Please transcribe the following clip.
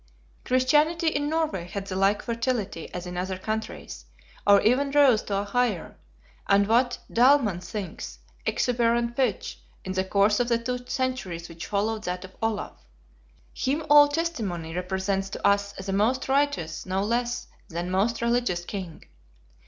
Christianity in Norway had the like fertility as in other countries; or even rose to a higher, and what Dahlmann thinks, exuberant pitch, in the course of the two centuries which followed that of Olaf. Him all testimony represents to us as a most righteous no less than most religious king.